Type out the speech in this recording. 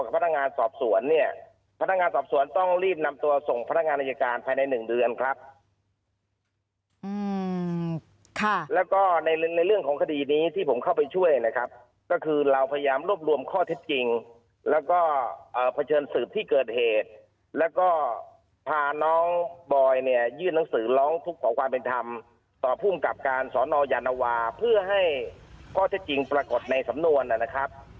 ก็พาน้องบอยยื่นหนังสือร้องทุกของความเป็นธรรมต่อภูมิกับการศนยาวนวาเพื่อให้ข้อเท็จจริงปรากฏในสำนวนน่ะนะครับ